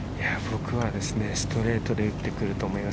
ストレートで打ってくると思います。